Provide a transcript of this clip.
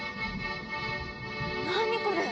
何これ？